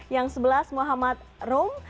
yang keempat muhammad rum